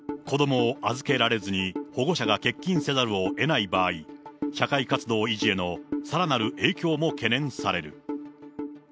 子どもを預けられずに保護者が欠勤せざるをえない場合、社会活動維持へのさらなる影響も懸念される。